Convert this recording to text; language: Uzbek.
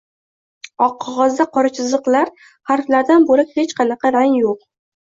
Oq qog’ozda qora chiziqlar-harflardan bo’lak hech qanaqa rang yo’q.